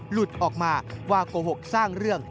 หลุดออกมาว่าโกหกสร้างเรื่อง